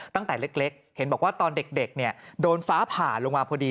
ตั้งแต่เล็กเห็นบอกว่าตอนเด็กโดนฟ้าผ่าลงมาพอดี